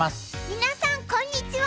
みなさんこんにちは。